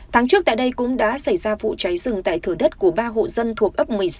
tháng trước tại đây cũng đã xảy ra vụ cháy rừng tại thửa đất của ba hộ dân thuộc ấp một mươi sáu